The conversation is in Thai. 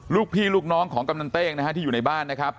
ลูกพี่ลูกน้องของกำนันเต้งนะฮะที่อยู่ในบ้านนะครับ